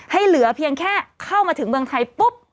เหลือเพียงแค่เข้ามาถึงเมืองไทยปุ๊บ